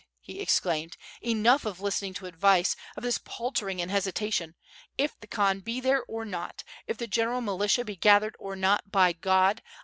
he exclaimed, "enough of listening to advice, of this paltering and hesitation! if the Khan be there or not, if the general militia be gathered or not, by God!